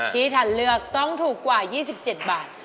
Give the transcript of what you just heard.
ที่ทันเลือกต้องถูกกว่า๒๗บาท